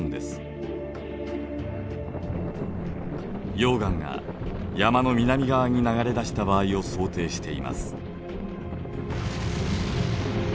溶岩が山の南側に流れ出した場合を想定しています。